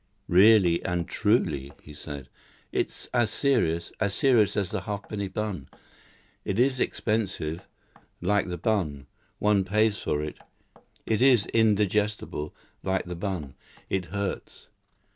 "Really and truly," he said, "it's as serious as serious as the halfpenny bun. It is expensive, like the bun; one pays for it. It is indigestible, like the bun. It hurts."